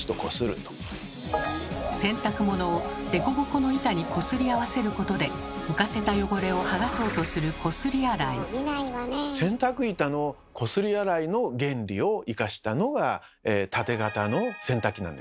洗濯物を凸凹の板にこすり合わせることで浮かせた汚れをはがそうとする洗濯板のこすり洗いの原理を生かしたのがタテ型の洗濯機なんです。